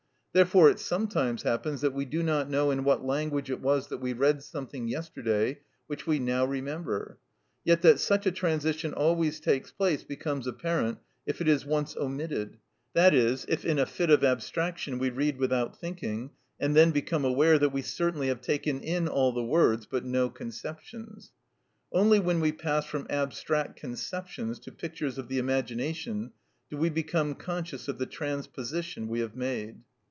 Therefore it sometimes happens that we do not know in what language it was that we read something yesterday which we now remember. Yet that such a transition always takes place becomes apparent if it is once omitted, that is, if in a fit of abstraction we read without thinking, and then become aware that we certainly have taken in all the words but no conceptions. Only when we pass from abstract conceptions to pictures of the imagination do we become conscious of the transposition we have made.